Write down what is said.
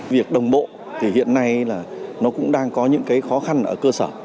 việc đồng bộ thì hiện nay nó cũng đang có những khó khăn ở cơ sở